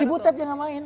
si butet yang gak main